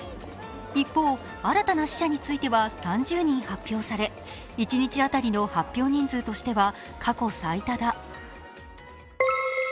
一方、新たな死者については３０人発表され、一日当たりの発表人数としては過去最多だ。